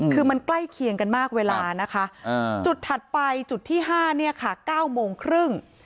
คือมันใกล้เคียงกันมากเวลานะคะจุดถัดไปจุดที่๕เนี่ยค่ะ๙โมงครึ่ง